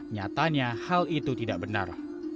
nyatanya hal itu tidak benar